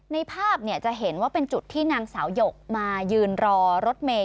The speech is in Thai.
ในภาพจะเห็นว่าเป็นจุดที่นางสาวหยกมายืนรอรถเมย์